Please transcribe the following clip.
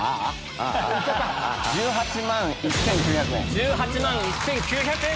１８万１９００円。